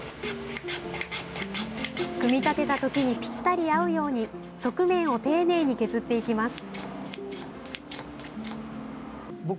組み立てたときにぴったり合うように側面を丁寧に削っていきます。